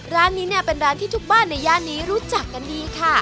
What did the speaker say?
ร้านนี้เนี่ยเป็นร้านที่ทุกบ้านในย่านนี้รู้จักกันดีค่ะ